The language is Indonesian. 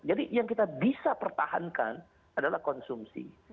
jadi yang kita bisa pertahankan adalah konsumsi